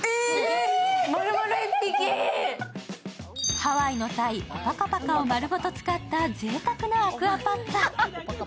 ハワイの鯛・オパカパカを丸ごと使ったぜいたくなアクアパッツァ。